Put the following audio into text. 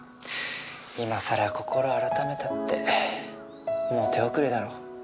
今更心改めたってもう手遅れだろ。